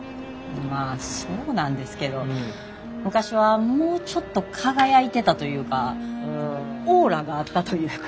まあそうなんですけど昔はもうちょっと輝いてたというかオーラがあったというか。